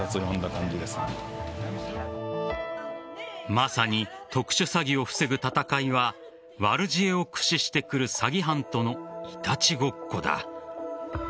まさに、特殊詐欺を防ぐ戦いは悪知恵を駆使してくる詐欺犯とのいたちごっこだ。